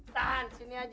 tahan sini aja